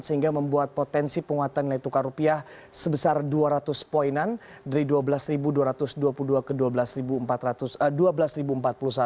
sehingga membuat potensi penguatan nilai tukar rupiah sebesar dua ratus poinan dari dua belas dua ratus dua puluh dua ke dua belas empat puluh satu